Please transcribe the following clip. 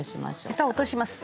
ヘタを落とします。